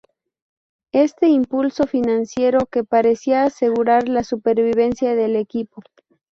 Este impulso financiero que parecía asegurar la supervivencia del equipo.